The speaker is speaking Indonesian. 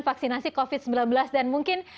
vaksinasi covid sembilan belas dan mungkin